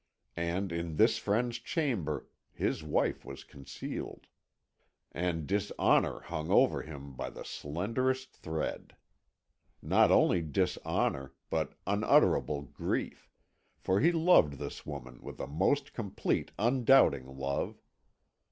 And in this friend's chamber his wife was concealed; and dishonour hung over him by the slenderest thread. Not only dishonour, but unutterable grief, for he loved this woman with a most complete undoubting love.